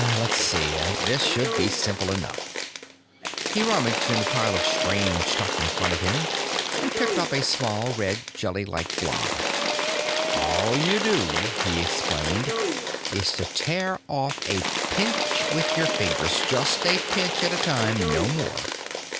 Let's see. This should be simple enough." He rummaged in the pile of strange stuff in front of him and picked up a small, red, jelly like blob. "All you do," he explained, "is tear off a pinch with your fingers. Just a pinch at a time, no more.